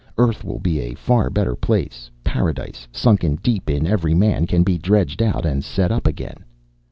Earth will be a far better place. Paradise, sunken deep in every man, can be dredged out and set up again."